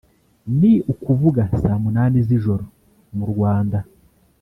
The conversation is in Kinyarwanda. ni ukuvuga saa munani z’ijoro mu Rwanda